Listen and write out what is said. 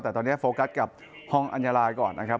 แต่ตอนนี้โฟกัสกับห้องอัญญาลายก่อนนะครับ